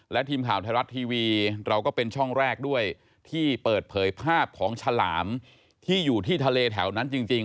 และทีมข่าวไทยรัฐทีวีเราก็เป็นช่องแรกด้วยที่เปิดเผยภาพของฉลามที่อยู่ที่ทะเลแถวนั้นจริง